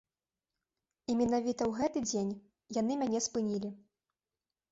І менавіта ў гэты дзень яны мяне спынілі.